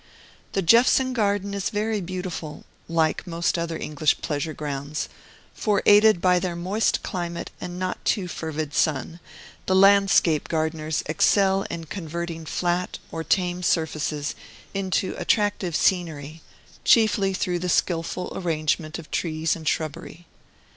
The Jephson Garden is very beautiful, like most other English pleasure grounds; for, aided by their moist climate and not too fervid sun, the landscape gardeners excel in converting flat or tame surfaces into attractive scenery, chiefly through the skilful arrangement of trees and shrubbery.